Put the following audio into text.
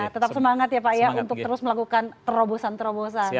tetap semangat ya pak ya untuk terus melakukan terobosan terobosan